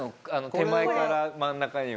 手前から真ん中には。